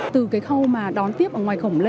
từ cái khâu mà đón tiếp ở ngoài khổng lễ